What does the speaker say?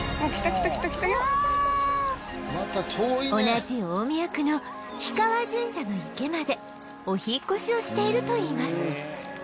同じ大宮区の氷川神社の池までお引っ越しをしているといいます